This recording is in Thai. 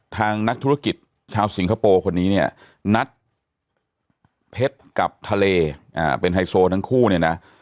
ทางนักธุรกิจชาวสิงคโปร์คนนี้เนี่ยนัดเพชรกับทะเลเป็นไฮโซทั้งคู่เนี่ยนะ